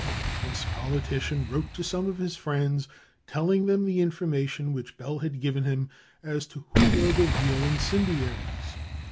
This politician wrote to some of his friends telling them the information, which Bell had given him, as to who were the real incendiaries.